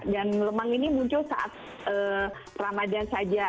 dan lemang ini muncul saat ramadan saja